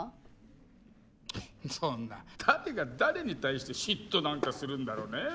そんな誰が誰に対して嫉妬なんかするんだろうねえ